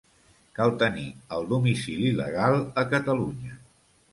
Cal tenir el domicili legal a Catalunya.